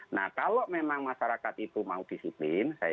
nah kalau memang masyarakat itu mau disiplin